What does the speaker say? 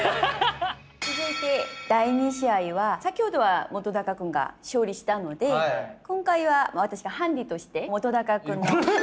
続いて第２試合は先ほどは本君が勝利したので今回は私がハンデとして本君の。